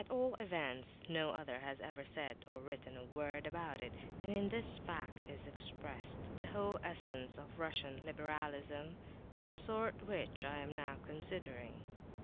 At all events, no other has ever said or written a word about it; and in this fact is expressed the whole essence of Russian liberalism of the sort which I am now considering.